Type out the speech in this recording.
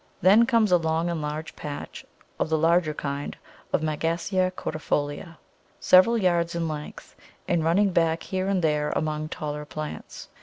Then comes a long and large patch of the larger kind of Megasea cordifolia, several yards in length, and running back here and there among taller plants.